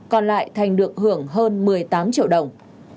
còn lại thành được hưởng hơn một mươi tám triệu đồng